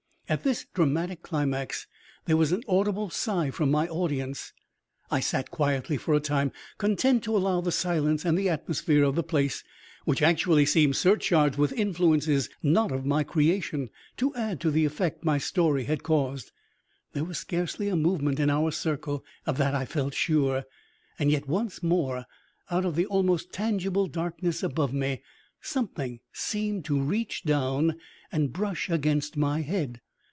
'" At this dramatic climax there was an audible sigh from my audience. I sat quietly for a time, content to allow the silence and the atmosphere of the place, which actually seemed surcharged with influences not of my creation, to add to the effect my story had caused. There was scarcely a movement in our circle; of that I felt sure. And yet once more, out of the almost tangible darkness above me, something seemed to reach down and brush against my head.